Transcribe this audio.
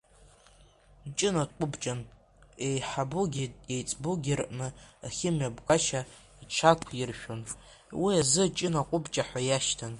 Ҷына дҟәыбҷан, иеиҳабугьы иеиҵбугьы рҟны ахымҩаԥгашьа иҽақәиршәон, уи азы Ҷына-ҟәыбҷа ҳәа ишьҭан.